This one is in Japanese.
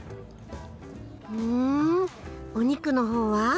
ふんお肉の方は？